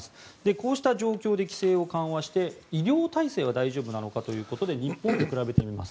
こうした状況で規制を緩和して医療体制は大丈夫なのかということで日本で比べてみます。